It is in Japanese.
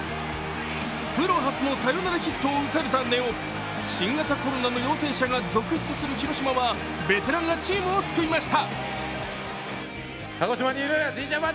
プロ初のサヨナラヒットを撃たれた根尾、新型コロナの陽性者が続出する広島はベテランがチームを救いました。